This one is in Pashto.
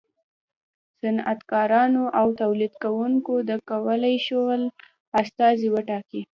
صنعتکارانو او تولیدوونکو و کولای شول استازي وټاکي.